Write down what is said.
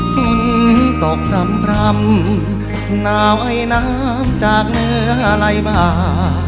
ฟุ้นตกพร่ำหน้าว่ายน้ำจากเนื้อไล่มา